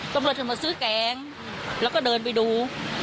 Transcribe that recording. ต้องกลับมาซื้อแกงแล้วก็เดินไปดู